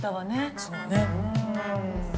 そうね。